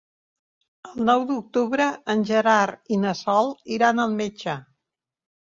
El nou d'octubre en Gerard i na Sol iran al metge.